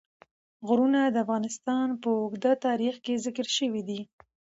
غرونه د افغانستان په اوږده تاریخ کې ذکر شوی دی.